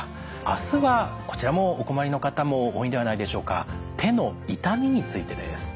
明日はこちらもお困りの方も多いんではないでしょうか手の痛みについてです。